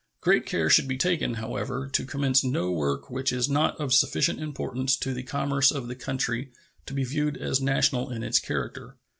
Great care should be taken, however, to commence no work which is not of sufficient importance to the commerce of the country to be viewed as national in its character.